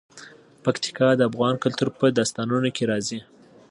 پکتیکا د افغان کلتور په داستانونو کې راځي.